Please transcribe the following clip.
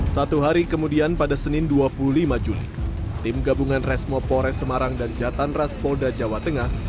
satu hari kemudian pada senin dua puluh lima juli tim gabungan resmo pore semarang dan jatan raspolda jawa tengah